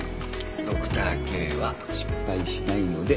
ドクターＫは失敗しないので。